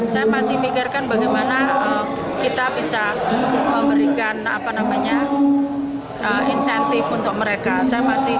saya masih mikirkan bagaimana kita bisa memberikan insentif untuk mereka